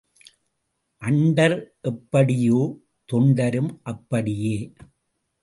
Under எப்படியோ, தொண்டரும் அப்படியே.